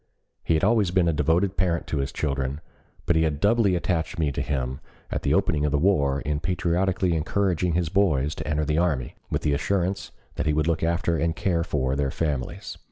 He had always been a devoted parent to his children, but he had doubly attached me to him at the opening of the war in patriotically encouraging his boys to enter the army, with the assurance that he would look after and care for their families.